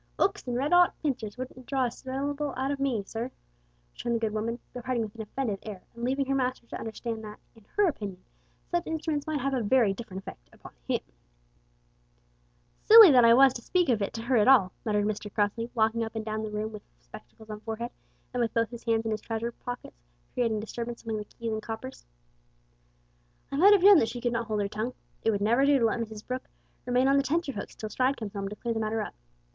"'Ooks an' red 'ot pincers wouldn't draw a syllable out of me, sir," returned the good woman, departing with an offended air, and leaving her master to understand that, in her opinion, such instruments might have a very different effect upon him. "Ass that I was to speak of it to her at all," muttered Mr Crossley, walking up and down the room with spectacles on forehead, and with both hands in his trousers pockets creating disturbance among the keys and coppers. "I might have known that she could not hold her tongue. It would never do to let Mrs Brooke remain on the tenter hooks till Stride comes home to clear the matter up.